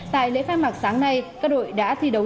tại lễ khai mạc sáng nay các đội đã thi đấu